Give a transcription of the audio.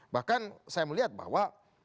bahkan saya melihat bahwa